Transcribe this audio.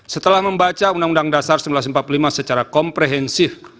setelah membaca undang undang dasar seribu sembilan ratus empat puluh lima secara komprehensif